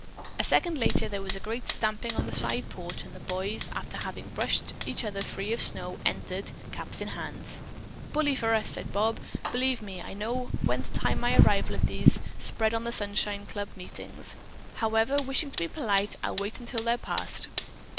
A second later there was a great stamping on the side porch and the boys, after having brushed each other free of snow, entered, caps in hand. "Bully for us!" Bob said. "Believe me, I know when to time my arrival at these 'Spread on the Sunshine' Club meetings. However, wishing to be polite, I'll wait until they're passed."